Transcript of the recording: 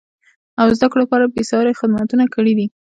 او زده کړو لپاره بېسارې خدمتونه کړیدي.